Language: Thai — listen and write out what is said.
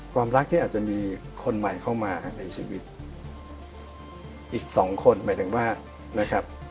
ความรักที่อาจจะมีคนใหม่เข้ามาในชีวิตอีกสองคนหมายถึงว่านะครับ